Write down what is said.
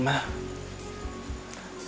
mama gak usah khawatir ma